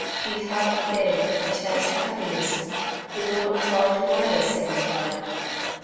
We have again a chance of happiness. We will not throw it away a second time.'